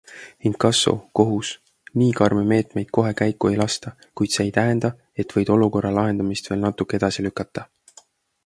Inkasso, kohus - nii karme meetmeid kohe käiku ei lasta, kuid see ei tähenda, et võid olukorra lahendamist veel natuke edasi lükata.